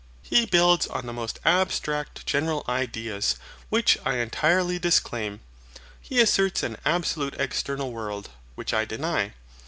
He builds on the most abstract general ideas, which I entirely disclaim. He asserts an absolute external world, which I deny.